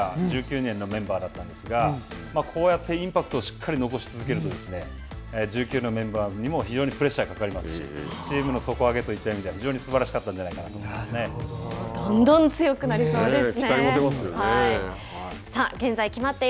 今回で行けば先発１４人が１９年のメンバーだったんですがこうやってインパクトをしっかり残し続けると１９年のメンバーにも非常にプレッシャーがかかりますしチームの底上げといった意味では非常にすばらしかったんじゃないどんどん強くなりそうですね。